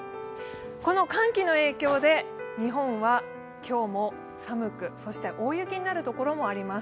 この寒気の影響で日本は今日も寒く、そして大雪になるところもあります。